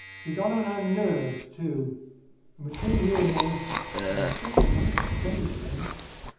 He got on our nerves, too; and, between you and me, we were just a mite afraid of him.